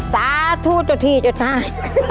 สาธุจุธีจุธาน